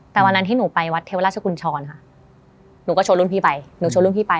แต่วันนั้นที่หนูไปวัดเทวราชกุญชรค่ะหนูก็ชวนรุ่นพี่ไปหนูชวนรุ่นพี่ไป